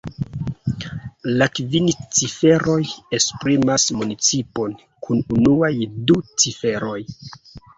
La kvin ciferoj esprimas municipon kun unuaj du ciferoj.